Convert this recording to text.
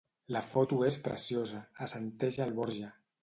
La foto és preciosa —assenteix el Borja.